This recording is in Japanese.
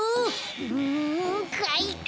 うんかいか！